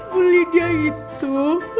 bu lydia itu